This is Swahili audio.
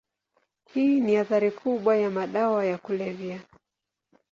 Hii ni athari kubwa ya madawa ya kulevya.